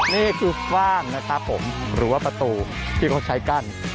นี่คือฟ่างนะครับผมหรือว่าประตูที่เขาใช้กั้น